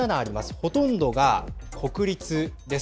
ほとんどが国立です。